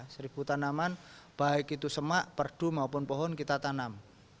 seribu tanaman baik itu semak perdu maupun pohon kita tanam